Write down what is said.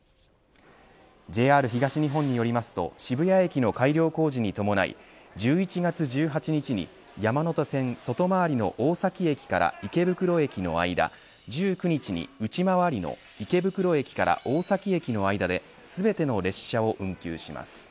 ＪＲ東日本によりますと渋谷駅の改良工事に伴い１１月１８日に山手線外回りの大崎駅から池袋駅の間１９日に内回りの池袋駅から大崎駅の間で全ての列車を運休します。